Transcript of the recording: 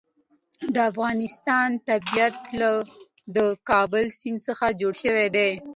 د افغانستان طبیعت له د کابل سیند څخه جوړ شوی دی.